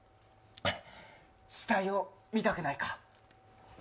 死体を見たくないか？